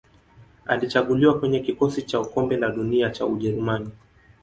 Alichaguliwa kwenye kikosi cha Kombe la Dunia cha Ujerumani.